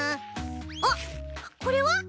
あっこれは？